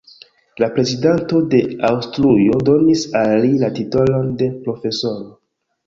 La Prezidanto de Aŭstrujo donis al li la titolon de "profesoro".